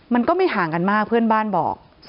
มันก็ไม่ห่างกันมากเพื่อนบ้านบอก